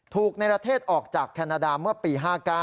ในประเทศออกจากแคนาดาเมื่อปี๕๙